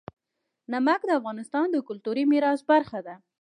نمک د افغانستان د کلتوري میراث برخه ده.